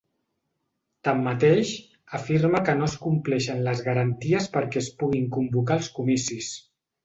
Tanmateix, afirma que no es compleixen les garanties perquè es puguin convocar els comicis.